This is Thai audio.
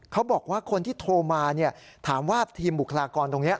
เขาบอกว่าคนที่โทรมาถามว่าทีมบุคลากรตรงนี้